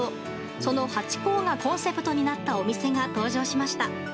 そのハチ公がコンセプトになったお店が登場しました。